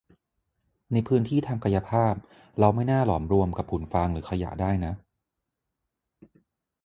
ในพื้นที่ทางกายภาพเราไม่น่าหลอมรวมกับหุ่นฟางหรือขยะได้นะ